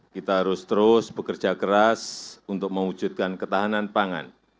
kita harus terus bekerja keras untuk mewujudkan ketahanan pangan